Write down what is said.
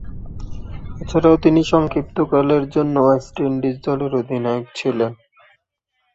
এছাড়াও তিনি সংক্ষিপ্তকালের জন্য ওয়েস্ট ইন্ডিজ দলের অধিনায়ক ছিলেন।